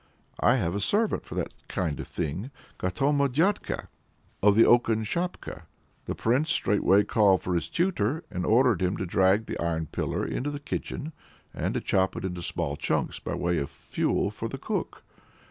I have a servant for that kind of thing, Katoma dyadka, of the oaken shapka." The Prince straightway called for his tutor, and ordered him to drag the iron pillar into the kitchen, and to chop it into small chunks by way of fuel for the cook.